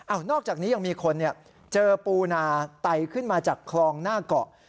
นอกจากนี้ยังมีคนเจอปูนาไตขึ้นมาจากคลองหน้าเกาะ